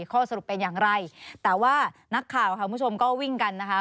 ข้อสรุปเป็นอย่างไรแต่ว่านักข่าวค่ะคุณผู้ชมก็วิ่งกันนะคะ